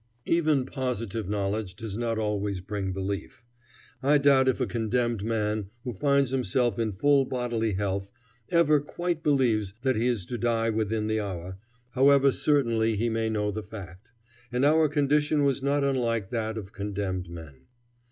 Even positive knowledge does not always bring belief. I doubt if a condemned man, who finds himself in full bodily health, ever quite believes that he is to die within the hour, however certainly he may know the fact; and our condition was not unlike that of condemned men.